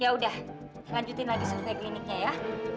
yaudah lanjutin lagi survei kliniknya ya